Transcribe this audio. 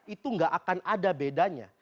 itu gak akan ada bedanya